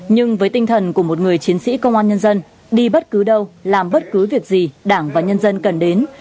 nhưng với tinh thần của một người chiến sĩ công an nhân dân đi bất cứ đâu làm bất cứ việc gì đảng và nhân dân cần đến